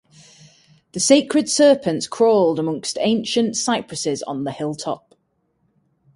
The sacred serpents crawled among ancient cypresses on the hilltop.